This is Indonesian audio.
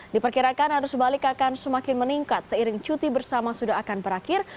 diperkirakan arus balik akan semakin meningkat seiring cuti bersama sudah akan berakhir